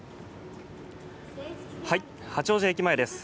八王子駅前です。